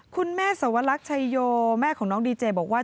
สวรรคชัยโยแม่ของน้องดีเจบอกว่า